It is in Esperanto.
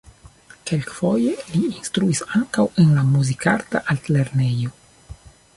Kelkfoje li instruis ankaŭ en la Muzikarta Altlernejo.